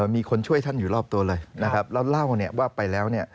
มีคนช่วยท่านอยู่รอบตัวเลยแล้วเล่าว่าไปแล้ว